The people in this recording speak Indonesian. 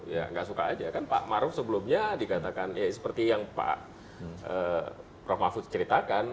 ya nggak suka aja kan pak maruf sebelumnya dikatakan ya seperti yang pak prof mahfud ceritakan